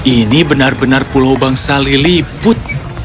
ini benar benar pulau bangsa lilih put